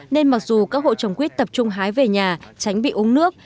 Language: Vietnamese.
nên mặc dù các hộ trồng quýt tập trung hái về nhà tránh bị uống nước